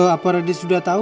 apa raden sudah tahu